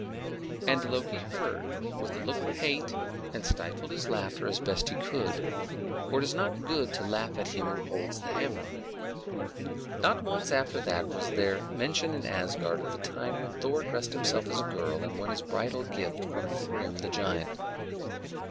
And Loki heard, with a look of hate, and stifled his laughter as best he could; for it is not good to laugh at him who holds the hammer. Not once after that was there mention in Asgard of the time when Thor dressed him as a girl and won his bridal gift from Thrym the giant.